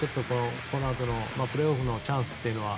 このあとのプレーオフのチャンスというのは。